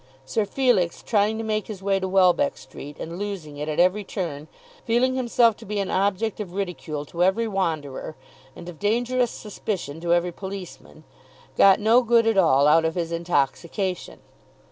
Sir Felix trying to make his way to Welbeck Street and losing it at every turn, feeling himself to be an object of ridicule to every wanderer, and of dangerous suspicion to every policeman, got no good at all out of his intoxication.